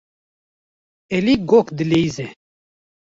Elî gog dileyîze.